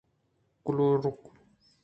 کلرک